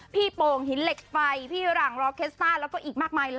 พี่โป่งหินเหล็กไฟ